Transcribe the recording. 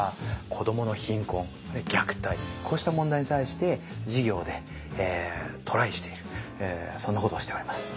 子どもの貧困虐待こうした問題に対して事業でトライしているそんなことをしております。